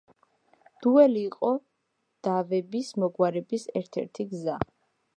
დუელი იყო დავების მოგვარების ერთ-ერთი გზა.